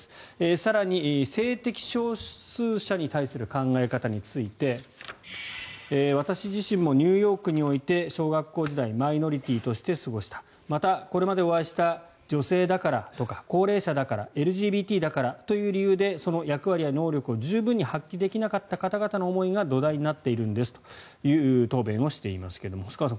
更に、性的少数者に対する考え方について私自身もニューヨークにおいて小学校時代マイノリティーとして過ごしたまた、これまでお会いした女性だからとか高齢者だからＬＧＢＴだからという理由でその役割や能力を十分に発揮できなかった方々の思いが土台になっているんですという答弁をしていますが細川さん